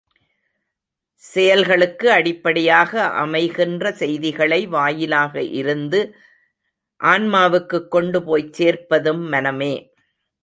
செயல்களுக்கு அடிப்படையாக அமைகின்ற செய்திகளை, வாயிலாக இருந்து ஆன்மாவுக்குக் கொண்டுபோய்ச் சேர்ப்பதும் மனமே!